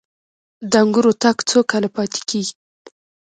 د انګورو تاک څو کاله پاتې کیږي؟